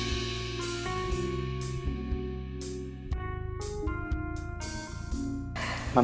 dia juga sudah pergi